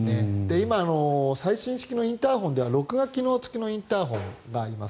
今、最新式のインターホンでは録画機能付きのインターホンがあります。